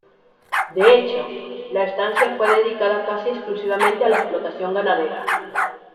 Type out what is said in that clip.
De hecho, la estancia fue dedicada casi exclusivamente a la explotación ganadera.